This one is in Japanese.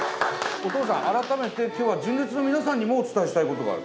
お父さん改めて今日は純烈の皆さんにもお伝えしたいことがある。